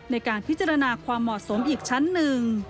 ในการพิจารณาความเหมาะสมอีกชั้นหนึ่ง